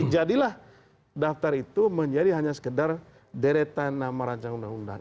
jadilah daftar itu menjadi hanya sekedar deretan nama rancang undang undang